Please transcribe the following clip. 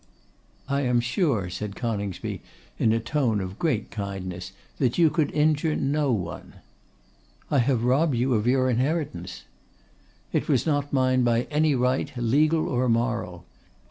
'I am sure,' said Coningsby, in a tone of great kindness, 'that you could injure no one.' 'I have robbed you of your inheritance.' 'It was not mine by any right, legal or moral.